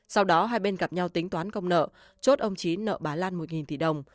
sau đó hai bên gặp nhau tính toán công nợ chốt ông trí nợ bà lan một tỷ đồng